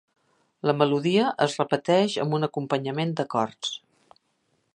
La melodia es repeteix amb un acompanyament d'acords.